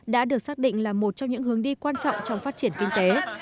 đã được xác định là một trong những hướng đi quan trọng trong phát triển kinh tế